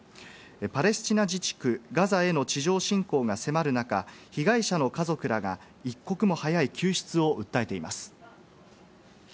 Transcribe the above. パレスチナ自治区ガザへの地上侵攻が迫る中、被害者の家族らが、一刻も早い救出を訴えています。